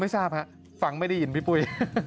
ทราบฮะฟังไม่ได้ยินพี่ปุ้ย